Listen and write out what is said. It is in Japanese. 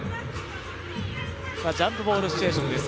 ジャンプボールシチュエーションです。